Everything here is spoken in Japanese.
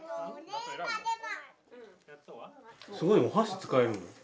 すごいお箸使えるの？